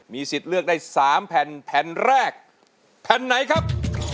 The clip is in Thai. สิทธิ์เลือกได้๓แผ่นแผ่นแรกแผ่นไหนครับ